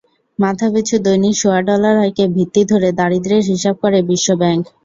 মাথাপিছু দৈনিক সোয়া ডলার আয়কে ভিত্তি ধরে দারিদ্র্যের হিসাব করে বিশ্বব্যাংক।